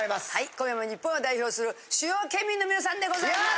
今夜も日本を代表する主要県民の皆さんでございます！